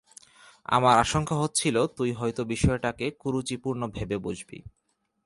আমার আশঙ্কা হচ্ছিল, তুই হয়তো বিষয়টাকে কুরুচিপূর্ণ ভেবে বসবি।